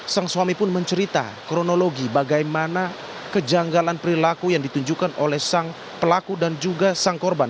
sang suami pun mencerita kronologi bagaimana kejanggalan perilaku yang ditunjukkan oleh sang pelaku dan juga sang korban